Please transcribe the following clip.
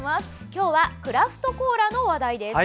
今日はクラフトコーラの話題です。